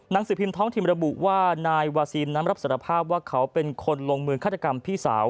สือพิมพ์ท้องถิ่นระบุว่านายวาซีนนั้นรับสารภาพว่าเขาเป็นคนลงมือฆาตกรรมพี่สาว